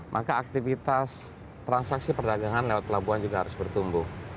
maka aktivitas transaksi perdagangan lewat pelabuhan juga harus bertumbuh